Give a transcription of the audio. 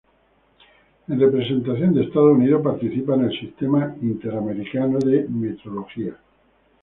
En representación de Estados Unidos, participa en el Sistema Interamericano de Metrología.